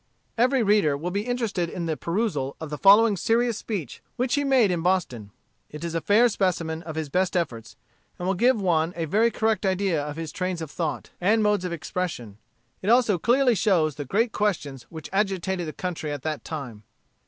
Every reader will be interested in the perusal of the following serious speech, which he made in Boston. It is a fair specimen of his best efforts, and will give one a very correct idea of his trains of thought, and modes of expression. It also clearly shows the great questions which agitated the country at that time.